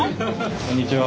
こんにちは。